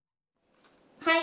はい！